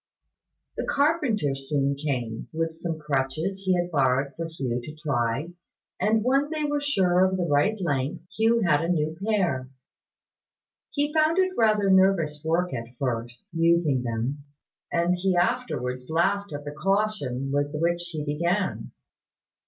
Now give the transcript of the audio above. The carpenter soon came, with some crutches he had borrowed for Hugh to try; and when they were sure of the right length, Hugh had a new pair. He found it rather nervous work at first, using them; and he afterwards laughed at the caution with which he began.